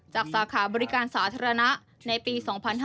สาขาบริการสาธารณะในปี๒๕๕๙